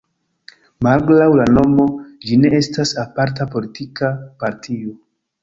Malgraŭ la nomo, ĝi ne estas aparta politika partio.